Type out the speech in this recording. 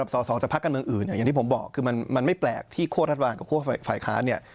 สศจังพักกับเมืองอื่นเนี่ยอย่างที่ผมบอกคือมันไม่แปลกที่คั่วธัฐบาลกับคั่วฝ่ายคลานเนี่ย